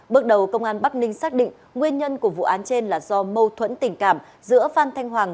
bước đầu công an bắc ninh xác định nguyên nhân của vụ án trên là do mâu thuẫn tình cảm giữa phan thanh hoàng